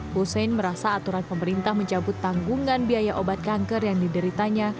hussein merasa aturan pemerintah mencabut tanggungan biaya obat kanker yang dideritanya